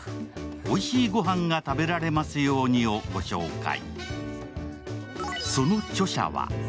「おいしいごはんが食べられますように」を御紹介。